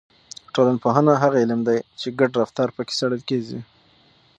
ټولنپوهنه هغه علم دی چې ګډ رفتار پکې څېړل کیږي.